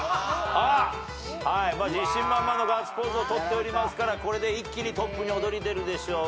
あっ自信満々のガッツポーズを取っておりますからこれで一気にトップに躍り出るでしょう。